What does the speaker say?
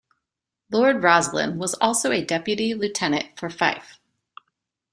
Lord Rosslyn was also a Deputy Lieutenant for Fife.